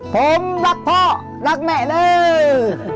ผมรักพ่อรักแม่เลย